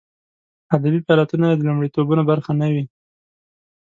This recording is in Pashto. ادبي فعالیتونه یې د لومړیتوبونو برخه نه وي.